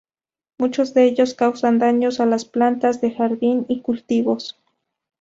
Muchos de ellos causan daños a las plantas de jardín y cultivos.